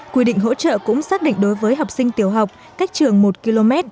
quy định hỗ trợ cũng xác định đối với học sinh tiểu học cách trường một km